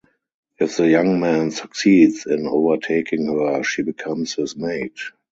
If the young man succeeds in overtaking her, she becomes his mate.